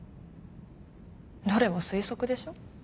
どれも推測でしょ？